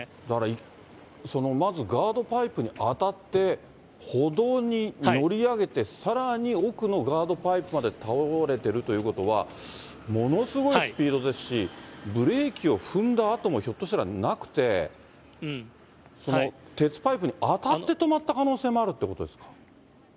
だから、そのまずガードパイプに当たって、歩道に乗り上げて、さらに奥のガードパイプ迄倒れてるということは、ものすごいスピードですし、ブレーキを踏んだ跡も、ひょっとしたらなくて、鉄パイプに当たって止まった可能性もあるということですか。